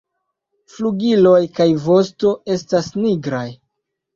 Flugiloj kaj vosto estas nigraj.